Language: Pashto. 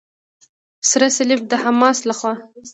سره صلیب د حماس لخوا.